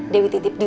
dewi titip dua